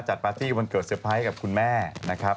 ปาร์ตี้วันเกิดเตอร์ไพรส์กับคุณแม่นะครับ